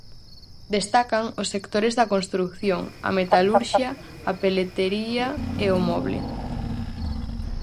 Destacan os sectores da construción, a metalurxia, a peletería e o moble.